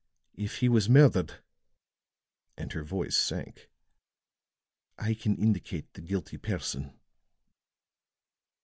If he was murdered," and her voice sank, "I can indicate the guilty person."